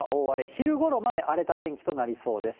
昼ごろまで荒れた天気となりそうです。